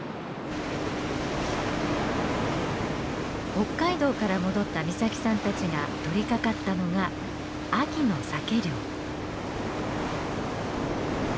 北海道から戻った岬さんたちが取りかかったのが秋のサケ漁。